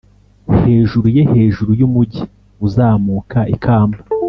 hejuru ye hejuru yumujyi uzamuka ikamba